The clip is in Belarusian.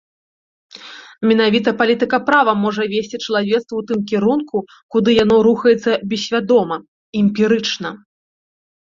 Менавіта палітыка права можа весці чалавецтва ў тым кірунку, куды яно рухаецца бессвядома, эмпірычна.